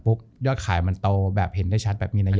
ยอดขายมันโตแบบเห็นได้ชัดแบบมีนัย